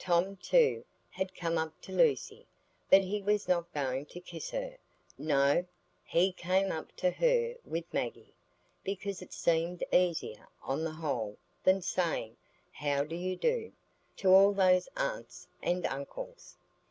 Tom, too, had come up to Lucy, but he was not going to kiss her—no; he came up to her with Maggie, because it seemed easier, on the whole, than saying, "How do you do?" to all those aunts and uncles.